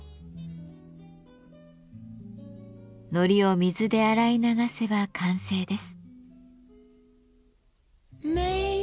糊を水で洗い流せば完成です。